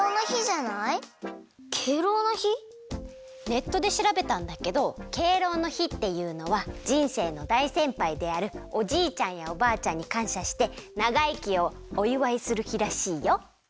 ネットでしらべたんだけど敬老の日っていうのはじんせいのだいせんぱいであるおじいちゃんやおばあちゃんにかんしゃしてながいきをおいわいする日らしいよ。